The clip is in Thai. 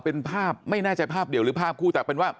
เป็นภาพไม่แน่ใจภาพเดียวหรือภาพคู่แต่เป็นว่า